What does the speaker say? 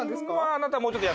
あなたもうちょっと。